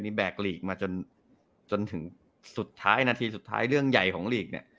แบกลีกมาจนถึงสุดท้ายนาทีสุดท้ายเรื่องใหญ่ของลีกเนี่ย